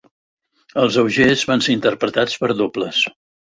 Els Augers van ser interpretats per dobles.